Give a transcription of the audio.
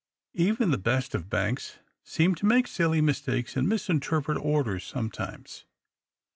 Even the best of banks seem to make silly mistakes and misinterpret orders some ' times.